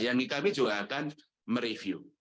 yang di kami juga akan mereview